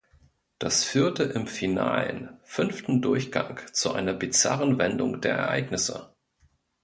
Das führte im finalen, fünften Durchgang zu einer bizarren Wendung der Ereignisse.